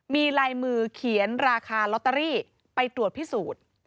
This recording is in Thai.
มีลายมือเขียนราคาลอตเตอรี่ไปตรวจพิสูจน์